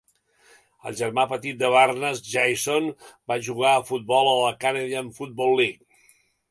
El germà petit de Barnes, Jason, va jugar a futbol a la Canadian Football League.